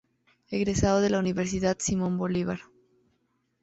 Egresado de la Universidad Simón Bolívar.